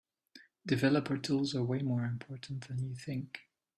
Developer Tools are way more important than you think.